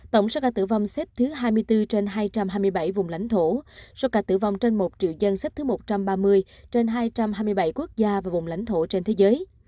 tổng số ca tử vong xếp thứ hai mươi bốn trên hai trăm hai mươi bảy vùng lãnh thổ số ca tử vong trên một triệu dân xếp thứ một trăm ba mươi trên hai trăm hai mươi bảy quốc gia và vùng lãnh thổ trên thế giới